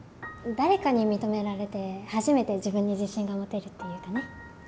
誰かに認められて初めて自分に自信が持てるっていうかね。